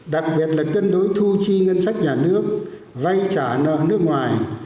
đặc biệt là cân đối thu chi ngân sách nhà nước vay trả nợ nước ngoài